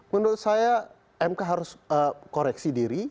menurut saya mk harus koreksi diri